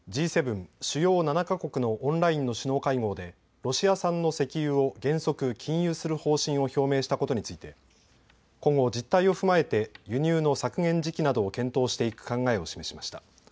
主要７か国のオンラインの首脳会合でロシア産の石油を原則禁輸する方針を表明したことについて今後、実態を踏まえて輸入の削減時期などを検討していく考えを示しました。